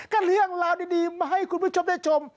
ก็เรื่องราวดีมาให้คุณผู้ชมได้ชม